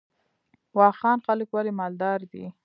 واخان خلک ولې مالدار دي؟